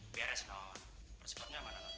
biar aja nawa nawa persipatnya mana